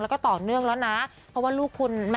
แล้วก็ต่อเนื่องแล้วนะ